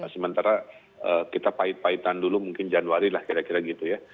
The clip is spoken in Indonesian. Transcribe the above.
sementara kita pahit pahitan dulu mungkin januari lah kira kira gitu ya